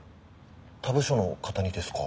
他部署の方にですか？